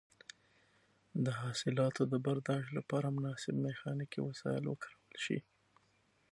د حاصلاتو د برداشت لپاره مناسب میخانیکي وسایل وکارول شي.